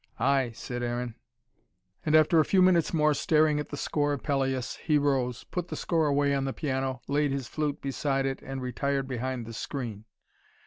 "Ay," said Aaron. And after a few minutes more staring at the score of Pelleas, he rose, put the score away on the piano, laid his flute beside it, and retired behind the screen.